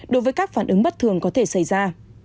đối với các phản ứng bất thường có thể xảy ra